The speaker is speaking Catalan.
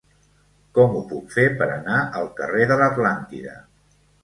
Com ho puc fer per anar al carrer de l'Atlàntida?